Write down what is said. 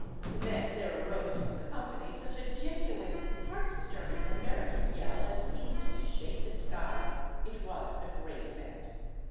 Then there arose from the company such a genuine, heart stirring American yell as seemed to shake the sky. It was a great event.